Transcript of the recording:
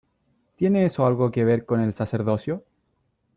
¿ tiene eso algo que ver con el sacerdocio ?